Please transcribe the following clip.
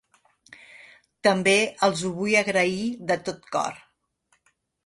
També els ho vull agrair de tot cor.